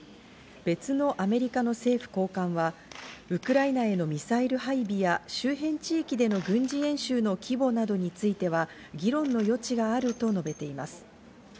別のアメリカの政府高官は、ウクライナへのミサイル配備や周辺地域での軍事演習の規模などについては議論の余地があると述べています。